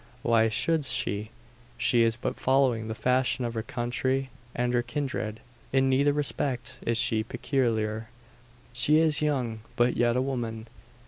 Why should she? She is but following the fashion of her country and her kindred. In neither respect is she peculiar. She is young, but yet a woman.